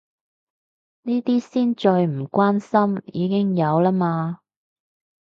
呢啲先最唔關心，已經有啦嘛